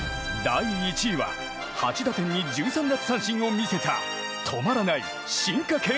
第１位は８打点に１３奪三振を見せた止まらない、進化系